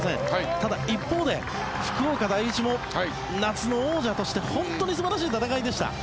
ただ、一方で福岡第一も夏の王者として本当に素晴らしい戦いでした。